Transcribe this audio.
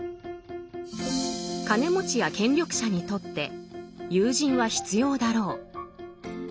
金持ちや権力者にとって友人は必要だろう。